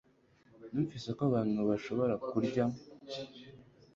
Numvise ko abantu bashobora kurya